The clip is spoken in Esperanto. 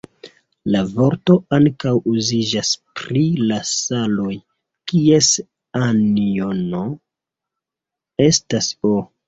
La vorto ankaŭ uziĝas pri la saloj, kies anjono estas "O".